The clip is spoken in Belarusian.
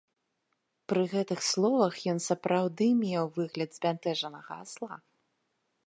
Пры гэтых словах ён сапраўды меў выгляд збянтэжанага асла.